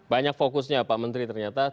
banyak fokusnya pak menteri ternyata